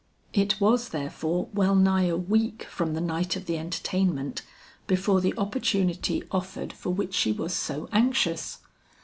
It was therefore well nigh a week from the night of the entertainment, before the opportunity offered for which she was so anxious.